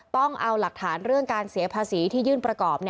ต้องเอาหลักฐานเรื่องการเสียภาษีที่ยื่นประกอบ